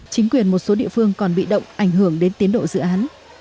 chính quyền một số địa phương còn bị động ảnh hưởng đến tiến độ dự án